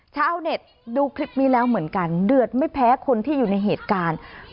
ชาวเน็ตดูคลิปนี้แล้วเหมือนกันเดือดไม่แพ้คนที่อยู่ในเหตุการณ์